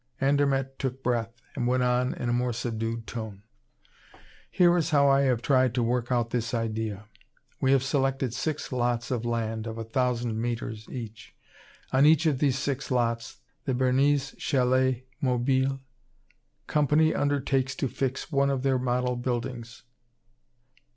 '" Andermatt took breath, and went on in a more subdued tone: "Here is how I have tried to work out this idea. We have selected six lots of land of a thousand meters each. On each of these six lots, the Bernese 'Chalets Mobiles' Company undertakes to fix one of their model buildings.